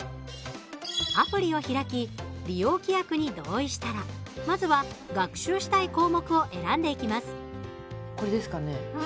アプリを開き利用規約に同意したらまずは学習したい項目を選んでいきます。